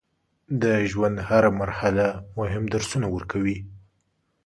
د ژوند هره مرحله مهم درسونه ورکوي.